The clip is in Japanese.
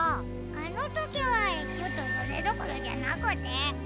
あのときはちょっとそれどころじゃなくて。